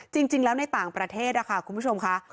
จริงแล้วในต่างประเทศนะคะคุณผู้ชมค่ะ